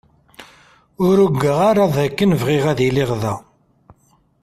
Ur ugaɣ ara dakken bɣiɣ ad iliɣ da.